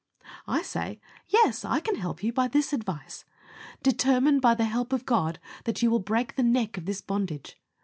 I say, "Yes, I can help you, by this advice Determine, by the help of God, that you will break the neck of this bondage.